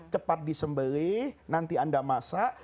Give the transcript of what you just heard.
cepat disembeli nanti anda masak